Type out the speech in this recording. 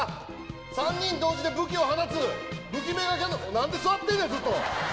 ３人同時で武器を放つ、なんで座ってんねん、ずっと。